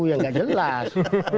yang nggak jelas